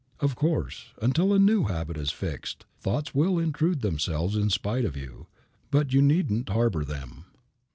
Of course, until the new habit is fixed, thoughts will intrude themselves in spite of you, but you needn't harbor them.